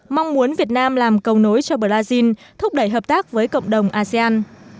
mong muốn việt nam làm cầu nối cho brazil thúc đẩy hợp tác với cộng đồng asean